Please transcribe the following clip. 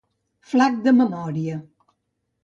Flac de memòria.